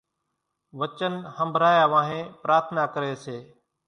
وچن ۿنڀرايا وانھين پرارٿنا ڪري سي